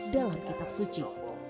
dalam kitab suci